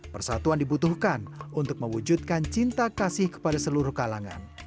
persatuan dibutuhkan untuk mewujudkan cinta kasih kepada seluruh kalangan